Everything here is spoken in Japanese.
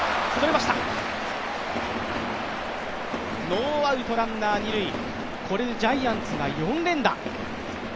ノーアウト、ランナー二塁、これでジャイアンツが４連打。